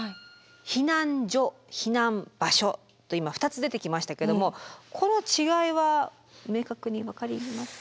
避難所避難場所と今２つ出てきましたけどもこの違いは明確に分かります？